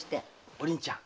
お凛ちゃん。